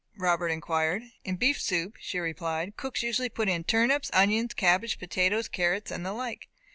Robert inquired. "In beef soup," she replied, "cooks usually put in turnips, onions, cabbage, potatoes, carrots, and the like."